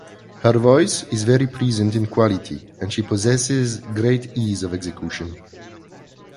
Her voice is very pleasant in quality and she possesses great ease of execution’.